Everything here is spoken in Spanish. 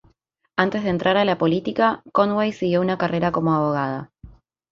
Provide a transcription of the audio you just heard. Antes de entrar a la política, Conway siguió una carrera como abogada.